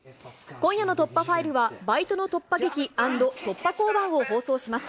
今夜の突破ファイルは、バイトの突破劇＆突破交番を放送します。